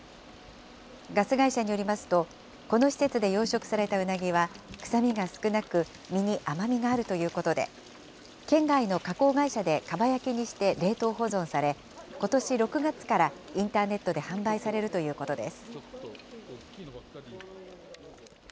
ガス会社によりますと、この施設で養殖されたうなぎは臭みが少なく、身に甘みがあるということで、県外の加工会社でかば焼きにして冷凍保存され、ことし６月からインターネットで販売されるということです。